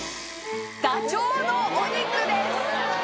ダチョウのお肉です